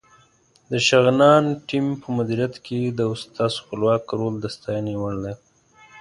د شغنان ټیم په مدیریت کې د استاد خپلواک رول د ستاینې وړ دی.